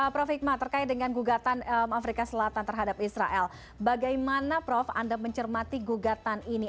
prof hikmah terkait dengan gugatan afrika selatan terhadap israel bagaimana prof anda mencermati gugatan ini